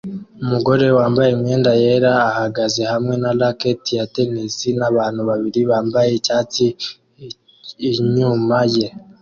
Umugore wambaye imyenda yera ahagaze hamwe na racket ya tennis nabantu babiri bambaye icyatsi inyuma ye